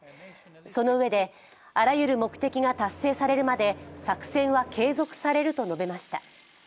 そのうえで、あらゆる目的が達成されるまで作戦は継続されると述べました。